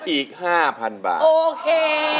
อีก๕๐๐๐บาทโอเค